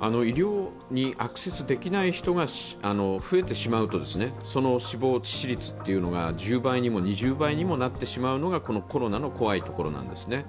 医療にアクセスできない人が増えてしまうとその死亡致死率が１０倍にも２０倍にもなってしまうのがこのコロナの怖いところなんですね。